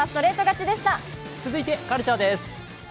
続いてカルチャーです。